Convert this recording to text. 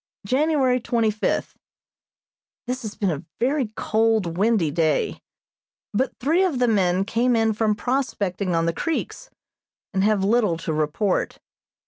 January twenty fifth: This has been a very cold, windy day, but three of the men came in from prospecting on the creeks, and have little to report.